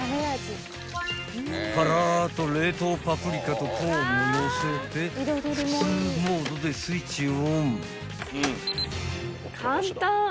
［ぱらっと冷凍パプリカとコーンものせて普通モードでスイッチオン］